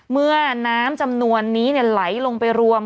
เมื่อน้ำจำนวนนี้ไหลลงไปรวม